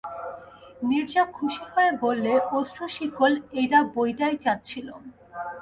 নীরজা খুশি হয়ে বললে, অশ্রু-শিকল, এই বইটাই চাচ্ছিলুম।